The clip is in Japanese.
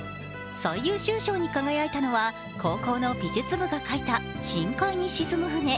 最優秀賞に輝いたのは、高校の美術部が描いた深海に沈む船。